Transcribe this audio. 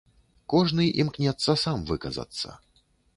Кожны імкнецца сам выказацца.